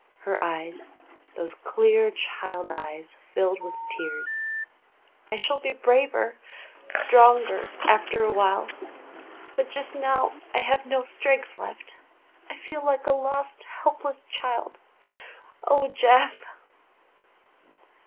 Her eyes, those clear child eyes, filled with tears. "I shall be braver stronger after a while. But just now I have no strength left. I feel like a lost, helpless child. Oh, Jeff!"